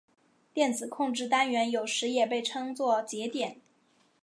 电子控制单元有时也被称作节点。